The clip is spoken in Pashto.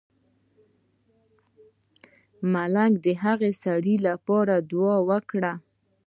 ملنګ د هغه سړی لپاره دعا وکړه.